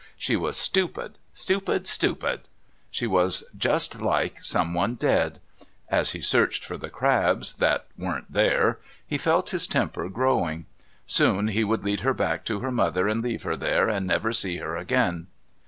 She was stupid, stupid, stupid! She was like someone dead. As he searched for the crabs that weren't there he felt his temper growing. Soon he would lead her back to her mother and leave her there and never see her again.